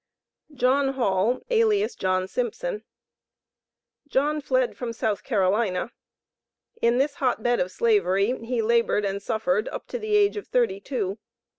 JOHN HALL, alias JOHN SIMPSON. John fled from South Carolina. In this hot bed of Slavery he labored and suffered up to the age of thirty two.